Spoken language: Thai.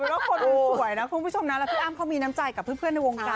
ก็คนสวยนะคุณผู้ชมนะแล้วพี่อ้ำเขามีน้ำใจกับเพื่อนในวงการ